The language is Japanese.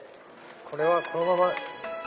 これはこのまま。